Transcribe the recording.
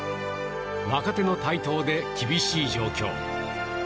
若手の台頭で厳しい状況。